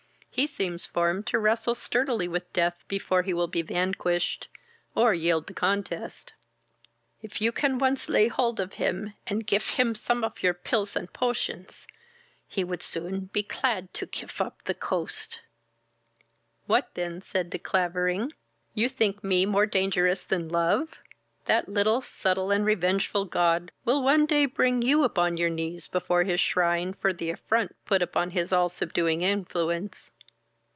He seems formed to wrestle sturdily with death before he will be vanquished, or yield the contest." "If you can once lay hold of him, and kif him some of your pills and potions, he would soon be clad to gif up the coast." "What, then, (said De Clavering) you think me more dangerous than love? That little, subtle, and revengeful god will one day bring you upon your knees before his shrine for the affront put upon his all subduing influence."